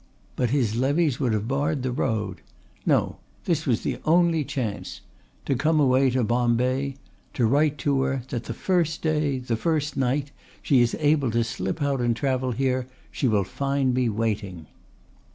But his levies would have barred the road. No, this was the only chance: to come away to Bombay, to write to her that the first day, the first night she is able to slip out and travel here she will find me waiting."